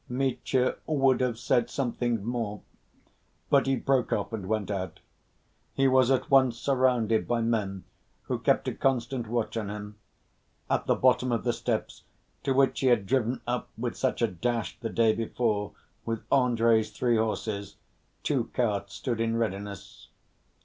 Mitya would have said something more, but he broke off and went out. He was at once surrounded by men who kept a constant watch on him. At the bottom of the steps to which he had driven up with such a dash the day before with Andrey's three horses, two carts stood in readiness.